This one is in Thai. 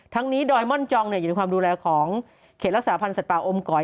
ทั้งนี้ดอยม่อนจองอยู่ในความดูแลของเขตรักษาพันธ์สัตว์อมก๋อย